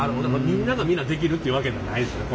みんながみんなできるってわけではないですよね。